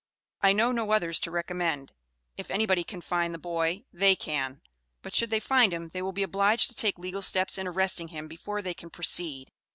I know no others to recommend; if anybody can find the 'boy,' they can. But should they find him they will be obliged to take legal steps in arresting him before they can proceed.